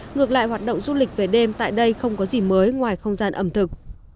ngược lại hoạt động du lịch về đêm tại đây không có gì mới ngoài không gian ẩm thực